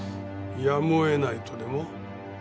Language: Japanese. やむを得ないとでも？